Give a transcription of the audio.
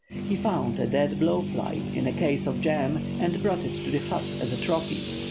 He found a dead blow fly in a case of jam and brought it to the hut as a trophy.